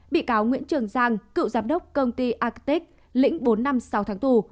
bị cáo nguyễn trường giang cựu giám đốc công ty arctic lĩnh bốn năm sau tháng tù